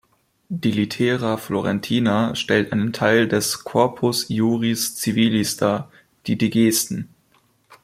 Die Littera Florentina stellt einen Teil des "Corpus iuris civilis" dar, die Digesten.